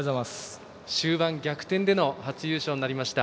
終盤、逆転での初優勝になりました。